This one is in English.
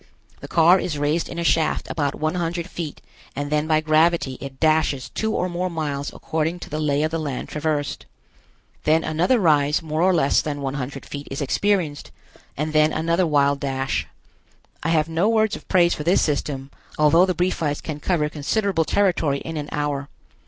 The car is raised in a shaft about one hundred feet and then by gravity it dashes two or more miles according to the lay of the land traversed. Then another rise more or less than one hundred feet is experienced, and then another wild dash. I have no words of praise for this system, although the Briefites can cover considerable territory in an hour.